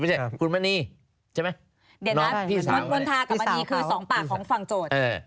เดี๋ยวนะมณฑากับมณีคือสองปากของฝั่งโจทย์